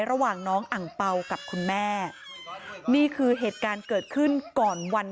ระหว่างน้องอังเป่ากับคุณแม่นี่คือเหตุการณ์เกิดขึ้นก่อนวัน